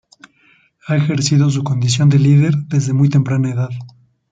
Ha ejercido su condición de líder desde muy temprana edad.